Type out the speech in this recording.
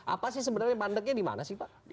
apa sih sebenarnya pandangnya dimana sih pak